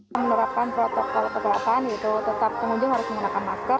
menerapkan protokol perkerakan tetap pengunjung harus menggunakan masker